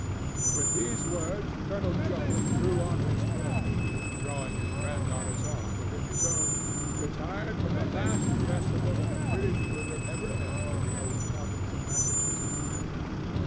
With these words Colonel Joliffe threw on his cloak, and, drawing his granddaughter's arm within his own, retired from the last festival that a British ruler ever held in the old province of Massachusetts Bay.